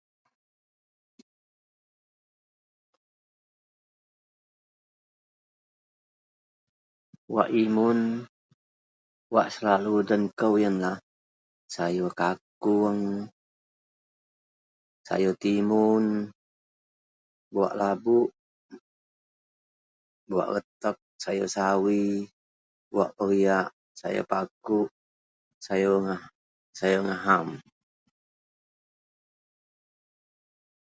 wak imun wak selalu den kou ienlah sayur kakung, sayur timun buah labuk, buwak retek, sayur sawi, buwak periak, sayur pakuk sayur ngah sayur ngaham